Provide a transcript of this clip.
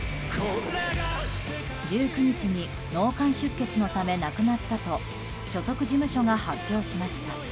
１９日に脳幹出血のため亡くなったと所属事務所が発表しました。